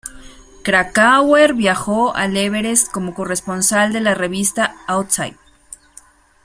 Krakauer viajó al Everest como corresponsal de la revista "Outside".